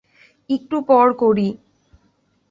একটু পর করি।